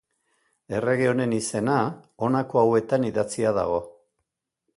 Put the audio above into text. Errege honen izena, honako hauetan idatzia dago.